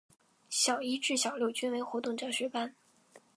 小一至小六均为活动教学班。